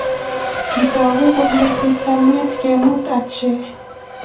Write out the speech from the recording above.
Kitooku kole kichamaat kemut Haji.